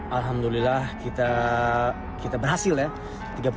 alhamdulillah kita berhasil ya